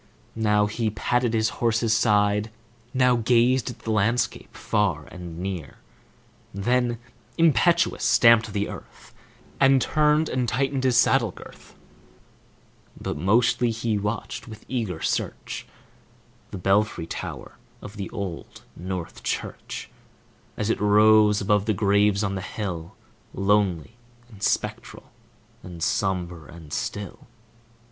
Now he patted his horse's side, Now gazed at the landscape far and near, Then, impetuous, stamped the earth, And turned and tightened his saddle girth; But mostly he watched with eager search The belfry tower of the Old North Church, As it rose above the graves on the hill, Lonely and spectral and sombre and still.